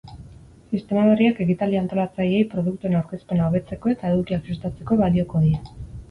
Sistema berriak ekitaldi antolatzaileei produktuen aurkezpena hobetzeko eta edukiak sustatzeko balioko die.